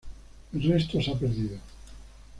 El resto se ha perdido.